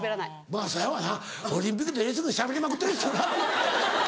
まぁそやわなオリンピックでしゃべりまくってる人。